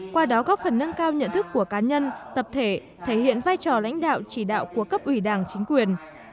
qua đó góp phần nâng cao nhận thức của cá nhân tập thể thể hiện vai trò lãnh đạo chỉ đạo của cấp ủy đảng chính quyền